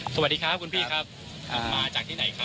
สวัสดีครับคุณพี่ครับผมมาจากที่ไหนครับ